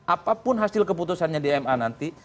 apapun hasil keputusannya di ma nanti